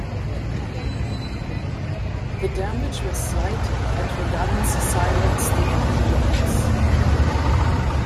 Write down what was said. The damage was slight, and her guns silenced the enemy guns.